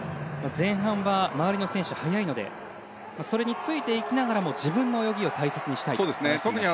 前半は周りの選手が速いのでそれについていきながらも自分の泳ぎを大切にしたいと話していました。